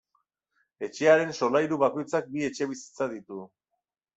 Etxearen solairu bakoitzak bi etxebizitza ditu.